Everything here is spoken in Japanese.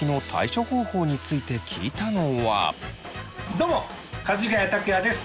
どうもかじがや卓哉です！